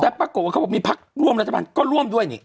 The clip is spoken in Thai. แต่ปรากฏว่าเขาบอกมีพักร่วมรัฐบาลก็ร่วมด้วยนี่